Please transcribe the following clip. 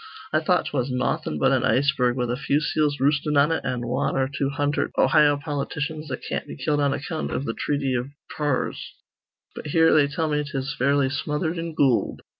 I thought 'twas nawthin' but an iceberg with a few seals roostin' on it, an' wan or two hundherd Ohio politicians that can't be killed on account iv th' threaty iv Pawrs. But here they tell me 'tis fairly smothered in goold.